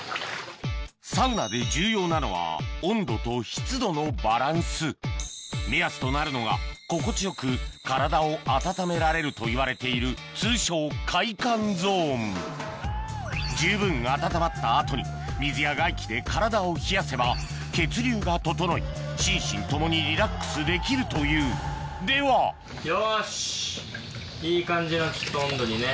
サウナで重要なのは温度と湿度のバランス目安となるのが心地よく体を温められるといわれている通称快感ゾーン十分温まった後に水や外気で体を冷やせば血流が整い心身ともにリラックスできるというではよし。